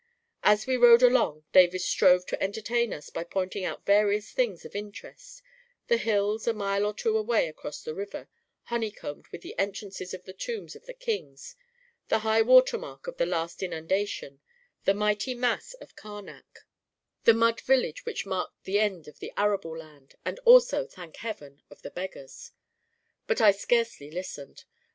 As we rode along, Davis strove to entertain us by pointing out various things of interest — the hills, a mile or two away across the river, honeycombed with the entrances to the tombs of the Kings; the high water mark of the last inundation; the mighty mass of Karnak; the mud village which marked the end of the arable land •— and also, thank heaven, of the beggars! — but I scarcely listened.